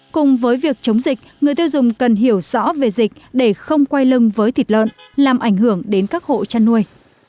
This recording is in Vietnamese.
cùng với việc chống dịch người tiêu dùng cần hiểu rõ về dịch để không quay lưng với thịt lợn làm ảnh hưởng đến các hộ chăn nuôi